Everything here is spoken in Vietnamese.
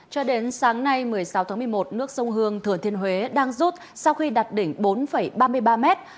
cho đến sáng nay một mươi sáu tháng một mươi một nước sông hương thừa thiên huế đang rút sau khi đặt đỉnh bốn ba mươi ba mét